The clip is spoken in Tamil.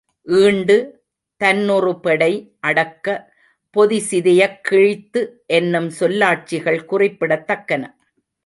ஈண்டு, தன்னுறு பெடை, அடக்க, பொதி சிதையக் கிழித்து என்னும் சொல்லாட்சிகள் குறிப்பிடத்தக்கன.